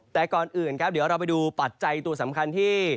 แต่ก่อนอื่นครับเดี๋ยวเราไปดูปัจจัยตัวสำคัญที่